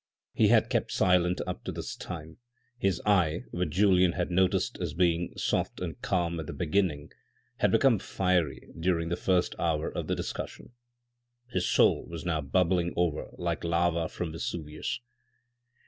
He had kept silent up to this time ; his eye, which Julien had noticed as being soft and calm at the beginniug, had become fiery during the first hour of the discussion. His soul was now bubbling over like lava from Vesuvius.